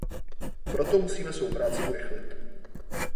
Proto musíme svou práci urychlit.